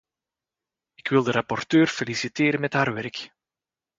Ik wil de rapporteur feliciteren met haar werk.